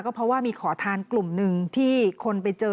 เพราะว่ามีขอทานกลุ่มหนึ่งที่คนไปเจอ